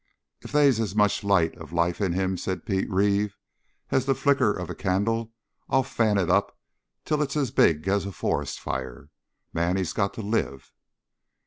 "If they's as much light of life in him," said Pete Reeve, "as the flicker of a candle, I'll fan it up till it's as big as a forest fire. Man, he's got to live."